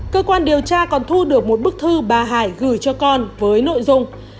cơ quan điều tra còn thu được một bức thư bà hải gửi cho con với nội dung